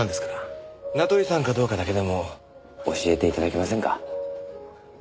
名取さんかどうかだけでも教えて頂けませんか？